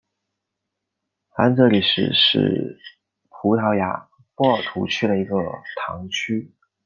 凡泽里什是葡萄牙波尔图区的一个堂区。